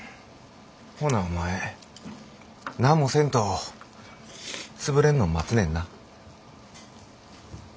ほなお前何もせんと潰れんのを待つねんな？